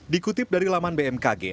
dikutip dari laman bmkg